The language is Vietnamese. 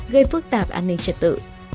gây phức tạp an ninh trật tự